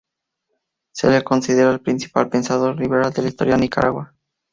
Se le considera el principal pensador liberal de la historia de Nicaragua.